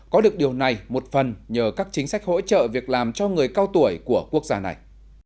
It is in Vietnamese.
có được điều này một phần nhờ các chính sách hỗ trợ việc làm cho người cao tuổi của quốc gia này